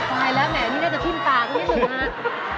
ไปแล้วแหมนี่น่าจะชิมตาก็มิดมาก